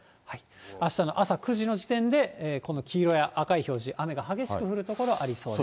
あしたの朝９時の時点で、この黄色や赤い表示、雨が激しく降る所ありそうです。